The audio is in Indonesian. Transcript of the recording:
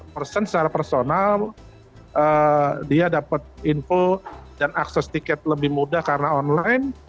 person secara personal dia dapat info dan akses tiket lebih mudah karena online